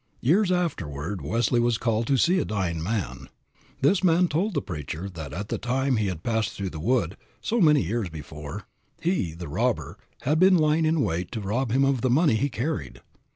Years afterward Wesley was called to see a dying man. This man told the preacher that at the time he had passed through the wood, so many years before, he, the robber, had been lying in wait to rob him of the money he carried.